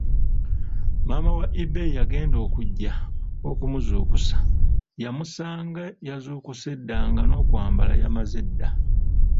Maama wa Ebei yagenda okujja okumuzuukusa, ya musanga yazuukuse dda nga n'okwambala yamaze dda!